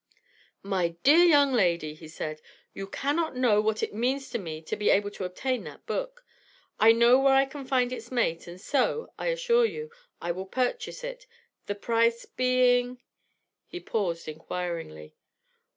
"My dear young lady," he said, "you cannot know what it means to me to be able to obtain that book. I know where I can find its mate and so, I assure you, I will purchase it, the price being? " He paused inquiringly.